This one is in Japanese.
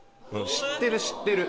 知ってる知ってる。